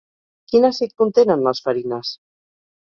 Quin àcid contenen les farines?